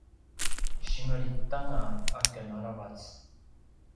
singelit anga aken aravac